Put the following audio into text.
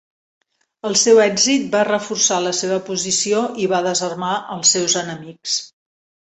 El seu èxit va reforçar la seva posició i va desarmar als seus enemics.